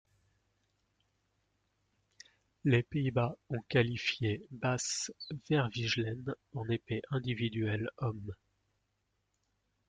Les Pays-Bas ont qualifié Bas Verwijlen en épée individuelle hommes.